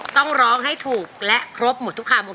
ต้องร้องให้ถูกและครบหมดทุกคำ